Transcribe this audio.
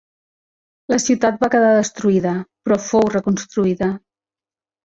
La ciutat va quedar destruïda, però fou reconstruïda.